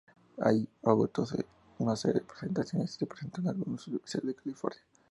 Allí agotó una serie de presentaciones y se presentó en algunas universidades de California.